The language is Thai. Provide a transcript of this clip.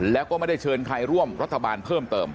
แล้วก็ไม่ได้เชิญใครร่วมรัฐบาลเพิ่มเติม